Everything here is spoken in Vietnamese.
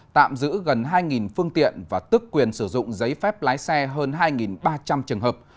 tạm giữ gần hai phương tiện và tức quyền sử dụng giấy phép lái xe hơn hai ba trăm linh trường hợp